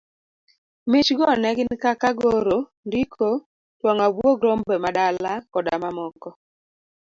Mich go ne gin kaka, goro, ndiko, twang'o abuog rombemadala koda mamoko.